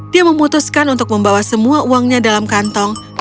dia memutuskan untuk membawa semua uangnya dalam kantong